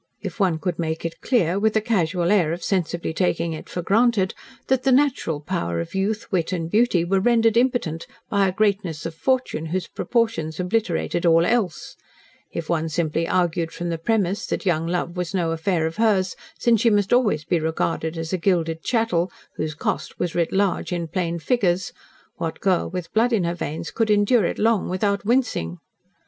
If one could make it clear with a casual air of sensibly taking it for granted that the natural power of youth, wit, and beauty were rendered impotent by a greatness of fortune whose proportions obliterated all else; if one simply argued from the premise that young love was no affair of hers, since she must always be regarded as a gilded chattel, whose cost was writ large in plain figures, what girl, with blood in her veins, could endure it long without wincing?